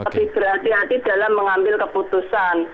lebih berhati hati dalam mengambil keputusan